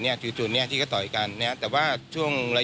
เนี่ยค่ะแล้วก็มีผู้ที่เห็นเหตุการณ์เขาก็เล่าให้ฟังเหมือนกันนะครับ